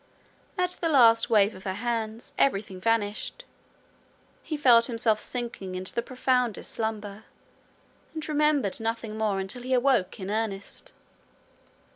At the last wave of her hands everything vanished, he felt himself sinking into the profoundest slumber, and remembered nothing more until he awoke in earnest.